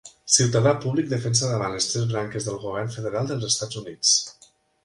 Ciutadà públic defensa davant les tres branques del govern federal dels Estats Units.